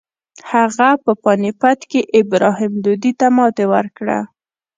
هغه په پاني پت کې ابراهیم لودي ته ماتې ورکړه.